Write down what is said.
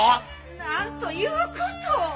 なんということを！